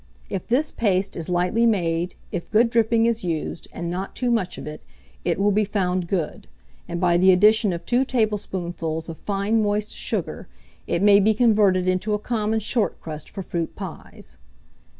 If this paste is lightly made, if good dripping is used, and not too much of it, it will be found good; and by the addition of two tablespoonfuls of fine moist sugar, it may be converted into a common short crust for fruit pies.